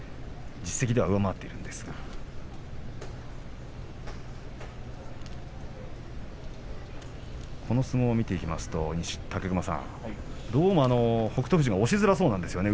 実績では上回っているんですがこの相撲を見ていきますと武隈さんどうも北勝富士が押しづらそうなんですよね